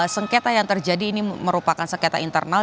sengketa yang terjadi ini merupakan sengketa internal